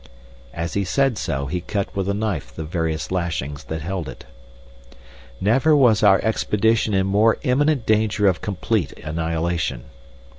As he said so he cut with a knife the various lashings that held it. Never was our expedition in more imminent danger of complete annihilation.